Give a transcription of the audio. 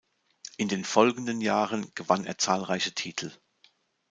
In den folgenden Jahren gewann er zahlreiche Titel.